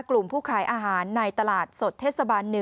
กลุ่มผู้ขายอาหารในตลาดสดเทศบาล๑